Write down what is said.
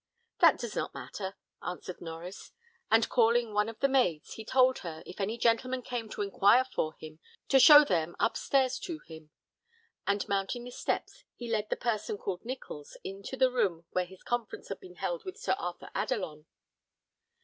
"That does not matter," answered Norries; and calling one of the maids, he told her, if any gentlemen came to inquire for him, to show them up stairs to him; and mounting the steps, he led the person called Nichols into the room where his conference had been held with Sir Arthur Adelon.